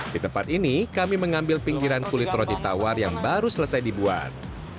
di tempat ini kami mengambil pinggiran kulit roti tawar yang baru selesai dibuat